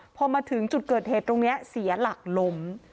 พอมาถึงจุดเกิดเหตุตรงนี้เสียหลักล้ม